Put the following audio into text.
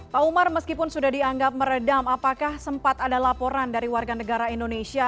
pak umar meskipun sudah dianggap meredam apakah sempat ada laporan dari warga negara indonesia